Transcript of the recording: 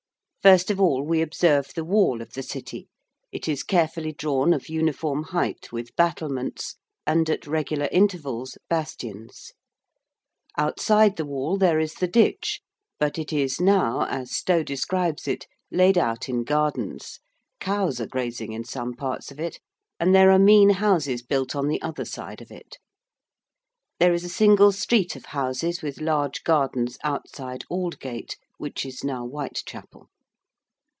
First of all, we observe the wall of the City; it is carefully drawn of uniform height, with battlements, and at regular intervals, bastions. Outside the wall there is the ditch, but it is now, as Stow describes it, laid out in gardens cows are grazing in some parts of it and there are mean houses built on the other side of it. There is a single street of houses with large gardens outside Aldgate, which is now Whitechapel.